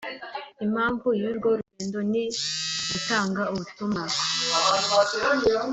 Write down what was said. Impamvu y’urwo rugendo ni ugutanga ubutumwa